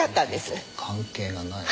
関係がない。